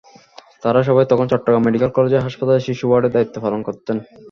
তাঁরা সবাই তখন চট্টগ্রাম মেডিকেল কলেজ হাসপাতালের শিশু ওয়ার্ডে দায়িত্ব পালন করতেন।